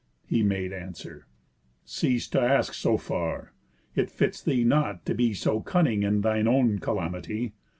He made answer: 'Cease To ask so far. It fits thee not to be So cunning in thine own calamity.